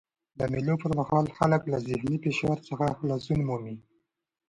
د مېلو پر مهال خلک له ذهني فشار څخه خلاصون مومي.